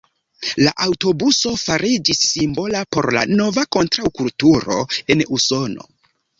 La aŭtobuso fariĝis simbola por la nova kontraŭkulturo en Usono.